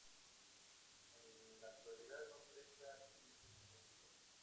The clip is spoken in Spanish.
En la actualidad no presta servicios de ningún tipo.